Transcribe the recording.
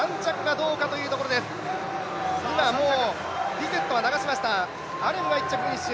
ビセットは流しましたアレムが１着フィニッシュ。